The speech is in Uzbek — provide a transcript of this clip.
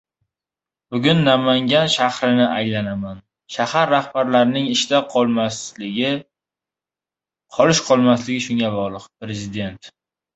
«Bugun Namangan shahrini aylanaman. Shahar rahbarlarining ishda qolish-qolmasligi shunga bog‘liq» — Prezident